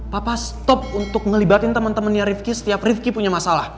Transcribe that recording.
papa stop untuk ngelibatin temen temennya riffky setiap riffky punya masalah